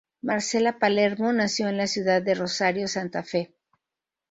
Marcela Palermo nació en la ciudad de Rosario, Santa Fe.